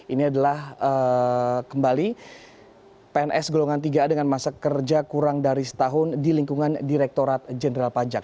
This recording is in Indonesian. ini adalah kembali pns golongan tiga a dengan masa kerja kurang dari setahun di lingkungan direkturat jenderal pajak